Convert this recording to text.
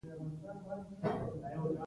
دا له نظامي تمریناتو سره تشبیه کوي.